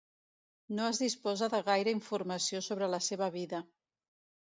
No es disposa de gaire informació sobre la seva vida.